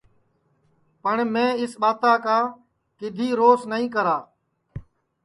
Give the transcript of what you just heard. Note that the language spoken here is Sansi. پٹؔ میں اِس ٻاتا کا کِدؔی روس نائی کرا